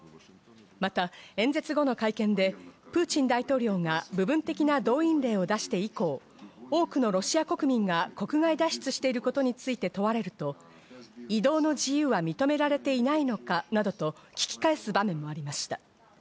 また演説後の会見でプーチン大統領が部分的な動員令を出して行こう、多くのロシア国民が国外脱出していることについて問われると、移動の自由は認められていないのかなどと、聞き返す場面もありました。